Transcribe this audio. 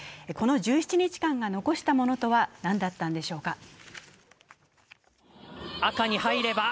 この１７日間が残したものとは何だったんでしょうか。